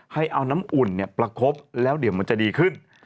ให้เอาน้ำอุ่นประคบแล้วเดี๋ยวมันจะดีขึ้น